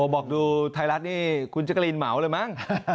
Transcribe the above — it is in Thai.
บอกดูไทยรัฐนี่คุณจักรีนเหมาเลยมั้ง